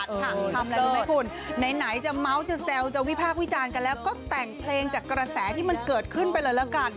ทำอะไรรู้ไหมคุณไหนจะเมาส์จะแซวจะวิพากษ์วิจารณ์กันแล้วก็แต่งเพลงจากกระแสที่มันเกิดขึ้นไปเลยแล้วกัน